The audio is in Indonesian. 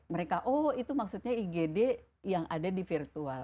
mereka oh itu maksudnya igd yang ada di virtual